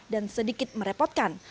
dan sedikit merepotkan